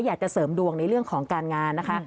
อยากจะเสริมดวงในเรื่องของการงานนะคะ